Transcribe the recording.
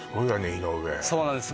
井上そうなんです